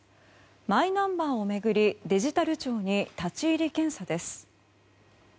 マイナンバーを巡りデジタル庁に立ち入り検査です。